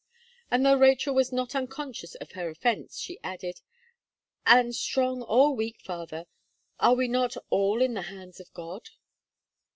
And though Rachel was not unconscious of her offence, she added: "And strong or weak, father, are we not all in the hands of God?"